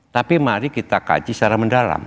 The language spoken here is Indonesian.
tapi mari kita kaji secara mendalam